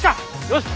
よし！